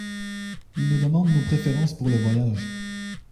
Il nous demande nos préférences pour le voyage.